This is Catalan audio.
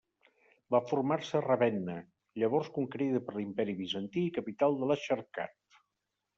Va formar-se a Ravenna, llavors conquerida per l'Imperi Bizantí i capital de l'Exarcat.